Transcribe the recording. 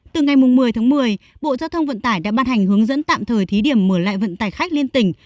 từ ngày một mươi tháng một mươi bộ giao thông vận tải đã ban hành hướng dẫn tạm thời thí điểm mở lại vận tải khách liên tỉnh